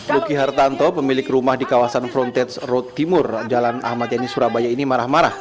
luki hartanto pemilik rumah di kawasan frontage road timur jalan ahmad yani surabaya ini marah marah